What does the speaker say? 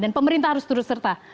dan pemerintah harus terus serta